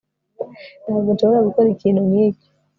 ntabwo nshobora gukora ikintu nkicyo